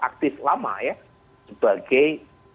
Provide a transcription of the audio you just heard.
aktif lama ya sebagai